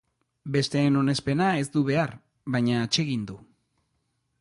Besteen onespena ez du behar, baina atsegin du.